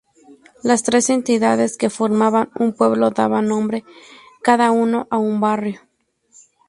Las tres entidades que formaban un pueblo daban nombre cada uno a un barrio.